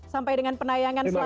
sampai dengan penayangan selanjutnya